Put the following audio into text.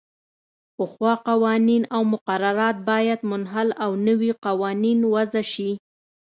پخوا قوانین او مقررات باید منحل او نوي قوانین وضعه شي.